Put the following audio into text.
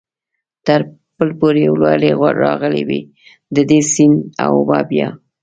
تر پل پورې لوړې راغلې وې، د دې سیند اوبه بیا.